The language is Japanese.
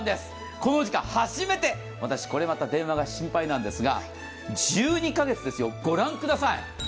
このお時間、初めて、私、これまた電話が心配なんですが、１２カ月、御覧ください。